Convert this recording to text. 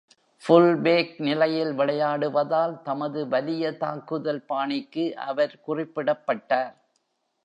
ஃபுல்பேக் நிலையில் விளையாடுவதால், தமது வலிய தாக்குதல் பாணிக்கு அவர் குறிப்பிடப்பட்டார்.